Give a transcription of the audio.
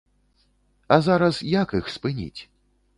А зараз як іх спыніць?